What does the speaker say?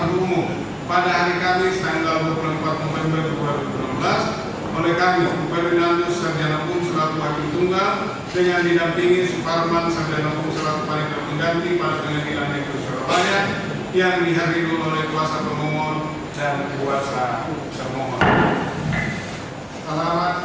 dan penahanan terhadap dalan iskan telah sah di mata hukum